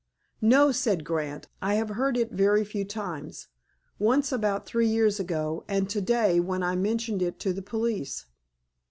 "No," said Grant. "I have heard it very few times. Once, about three years ago, and today, when I mentioned it to the police."